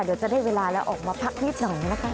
เดี๋ยวจะได้เวลาแล้วออกมาพักนิดหน่อยนะคะ